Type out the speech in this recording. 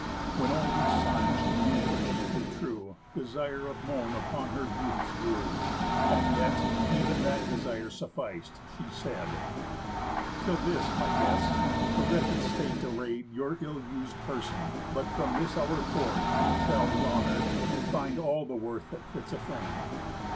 When all these signs she knew for chiefly true, Desire of moan upon her beauties grew, And yet, ev'n that desire suffic'd, she said: "Till this, my guest, a wretched state array'd Your ill us'd person, but from this hour forth You shall be honour'd, and find all the worth That fits a friend.